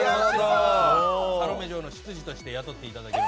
サロメ嬢の執事として雇っていただければ。